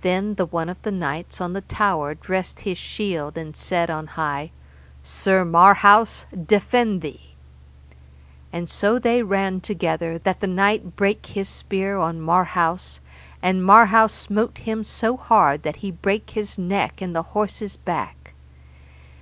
Then the one of the knights of the tower dressed his shield, and said on high, Sir Marhaus, defend thee. And so they ran together that the knight brake his spear on Marhaus, and Marhaus smote him so hard that he brake his neck and the horse's back.